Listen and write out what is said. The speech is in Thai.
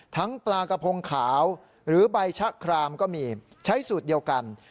ปลากระพงขาวหรือใบชะครามก็มีใช้สูตรเดียวกัน